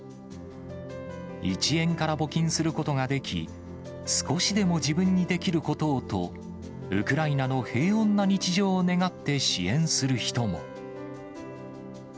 １円から募金することができ、少しでも自分にできることをと、ウクライナの平穏な日常を願って支援する人も。